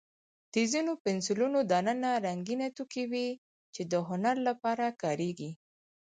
د ځینو پنسلونو دننه رنګینه توکي وي، چې د هنر لپاره کارېږي.